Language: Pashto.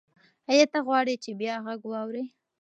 ایا ته غواړې چې بیا غږ واورې؟